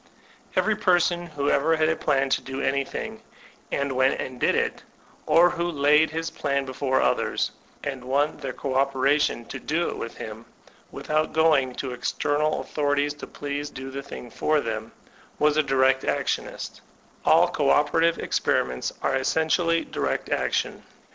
Every person who ever had a plan to do anything, and went and did it, or who laid his plan before others, and won their co operation to do it with him, without going to external authorities to please do the thing for them, was a direct actionist All co operative experi ments are essentially direct action.